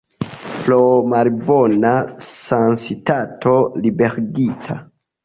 Pro malbona sanstato liberigita.